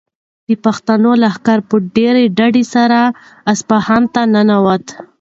د پښتنو لښکر په ډېر ډاډ سره اصفهان ته ننووت.